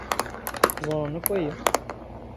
Ẓran akk aya.